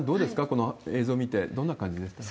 この映像見て、どんな感じですか？